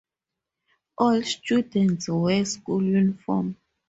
All students wear school uniform.